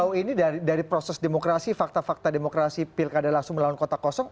sejauh ini dari proses demokrasi fakta fakta demokrasi pilkada langsung melawan kota kosong